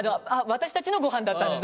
私たちのご飯だったんで。